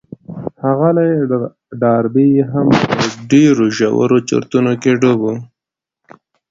ښاغلی ډاربي هم په ډېرو ژورو چورتونو کې ډوب و.